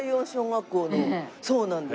そうなんです。